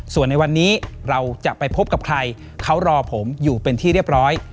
ส่วนในวันนี้เราจะไปพบกับใครเขารอผมอยู่เป็นที่เรียบร้อย